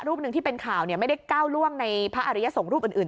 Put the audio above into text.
หนึ่งที่เป็นข่าวไม่ได้ก้าวล่วงในพระอริยสงฆ์รูปอื่น